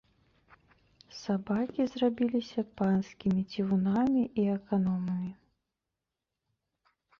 Сабакі зрабіліся панскімі цівунамі і аканомамі.